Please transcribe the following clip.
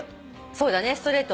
そうだねストレート。